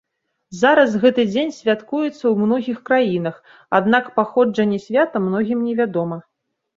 Зараз гэты дзень святкуецца ў многіх краінах, аднак паходжанне свята многім невядома.